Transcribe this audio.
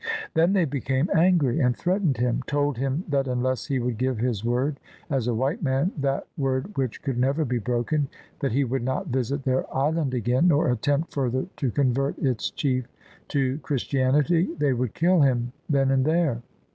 Then they became angry and threatened him: told him that unless he would give his word as a white man — that word which could never be broken — that he would not visit their island again, nor attempt further to convert its chief to Christianity, they would kill him then and there.